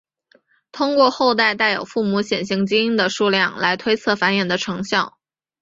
通过后代带有父母显性基因的数量来推测繁殖的成效。